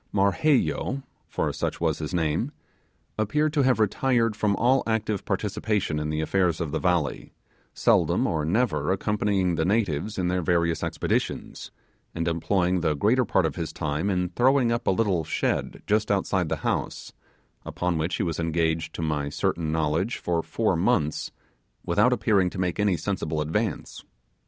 Marheyo for such was his name appeared to have retired from all active participation in the affairs of the valley, seldom or never accompanying the natives in their various expeditions; and employing the greater part of his time in throwing up a little shed just outside the house, upon which he was engaged to my certain knowledge for four months, without appearing to make any sensible advance.